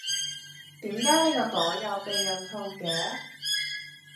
點解你個袋有避孕套嘅？